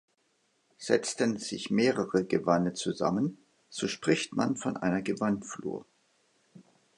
Setzten sich mehrere Gewanne zusammen, so spricht man von einer Gewannflur.